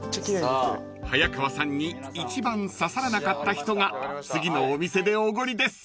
［早川さんに一番刺さらなかった人が次のお店でおごりです］